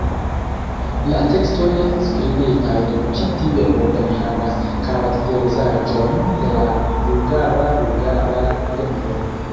La tekstoj skribitaj dum ĉi tiu epoko enhavas karakterizaĵojn de la vulgara bulgara lingvo.